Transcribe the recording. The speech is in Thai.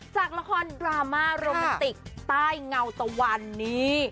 จากละครดราม่าโรแมนติกใต้เงาตะวันนี่